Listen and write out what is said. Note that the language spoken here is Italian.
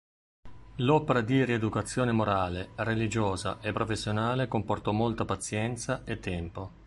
L'opera di rieducazione morale, religiosa e professionale comportò molta pazienza e tempo.